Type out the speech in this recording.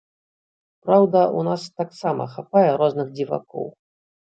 Праўда, у нас таксама хапае розных дзівакоў.